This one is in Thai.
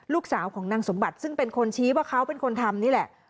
ลูกสาวของนางสมบัติซึ่งเป็นคนชี้ว่าเขาเป็นคนทำนี่แหละ